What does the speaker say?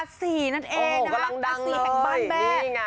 อัศศีร์นั่นเองนะอัศศีร์แห่งบ้านแม่